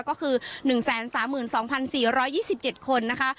ก็คือ๑๓๒๔๒๗คนนะคะ